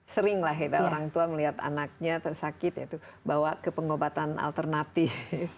sering lah kita orang tua melihat anaknya tersakit yaitu bawa ke pengobatan alternatif